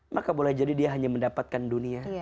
maka boleh jadi dia hanya mendapatkan dunia